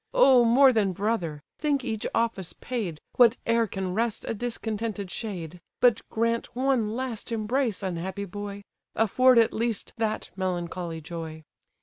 O more than brother! Think each office paid, Whate'er can rest a discontented shade; But grant one last embrace, unhappy boy! Afford at least that melancholy joy."